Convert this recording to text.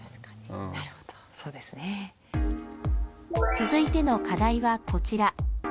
続いての課題は、こちら。